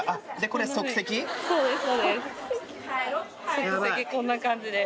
足跡こんな感じです。